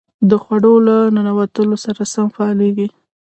د خوړو له ننوتلو سره سم فعالېږي.